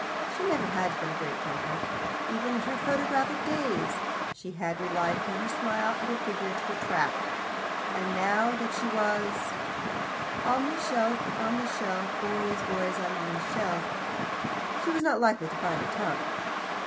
She never had been a great talker. Even in her photographic days she had relied upon her smile and her figure to attract, and now that she was "On the shelf, On the shelf, Boys, boys, I'm on the shelf," she was not likely to find her tongue.